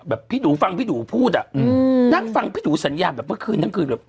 แบบพี่ดูฟังพี่ดูพูดอะนั่งฟังพี่ดูสัญญาณแบบเมื่อคืนนั้นคืน